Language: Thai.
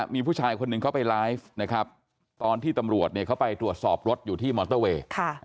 มีผู้ชายคนหนึ่งเขาไปไลฟ์นะครับตอนที่ตำรวจเขาไปตรวจสอบรถอยู่ที่มอเตอร์เวย์